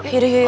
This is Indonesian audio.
yuk yuk yuk